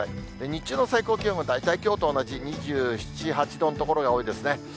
日中の最高気温も大体きょうと同じ、２７、８度の所が多いですね。